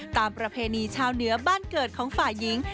ประเพณีชาวเหนือบ้านเกิดของฝ่ายหญิง